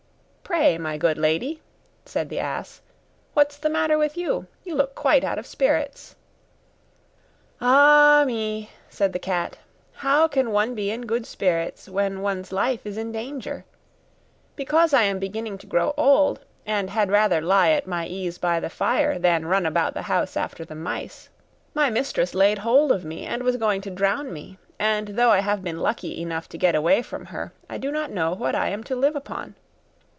'Pray, my good lady,' said the ass, 'what's the matter with you? You look quite out of spirits!' 'Ah, me!' said the cat, 'how can one be in good spirits when one's life is in danger? Because I am beginning to grow old, and had rather lie at my ease by the fire than run about the house after the mice, my mistress laid hold of me, and was going to drown me; and though I have been lucky enough to get away from her, I do not know what I am to live upon.